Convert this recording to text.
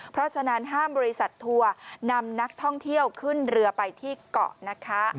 เพราะฉะนั้นห้ามบริษัททัวร์นำนักท่องเที่ยวขึ้นเรือไปที่เกาะนะคะ